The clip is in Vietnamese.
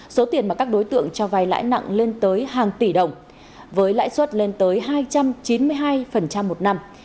số tiền mà các đối tượng cho vay lãi nặng lên tới hàng tỷ đồng với lãi suất lên tới hai trăm chín mươi hai một năm